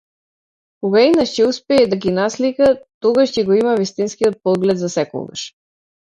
Кога еднаш ќе успее да ги наслика, тогаш ќе го има вистинскиот поглед засекогаш.